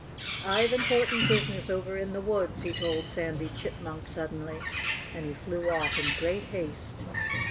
"I've important business over in the woods," he told Sandy Chipmunk suddenly. And he flew off in great haste.